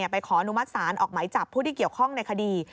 ขออนุมัติศาลออกไหมจับผู้ที่เกี่ยวข้องในคดี